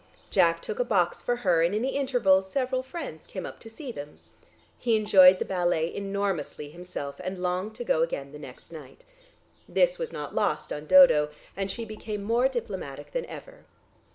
Jack took a box for her, and in the intervals several friends came up to see them. He enjoyed the ballet enormously himself, and longed to go again the next night. This was not lost on Dodo, and she became more diplomatic than ever.